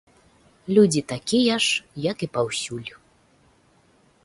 Людзі такія ж, як і паўсюль.